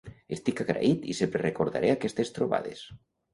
Estic agraït i sempre recordaré aquestes trobades.